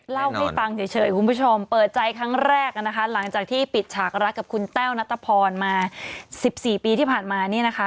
เล่าให้ฟังเฉยคุณผู้ชมเปิดใจครั้งแรกนะคะหลังจากที่ปิดฉากรักกับคุณแต้วนัตรพรมา๑๔ปีที่ผ่านมาเนี่ยนะคะ